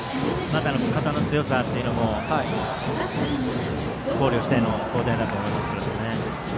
肩の強さというのも考慮しての交代だと思いますけどね。